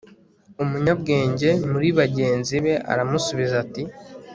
umunyabwenge muri bagenzi be aramusubiza ati